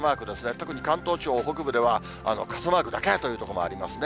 特に関東地方北部では、傘マークだけという所もありますね。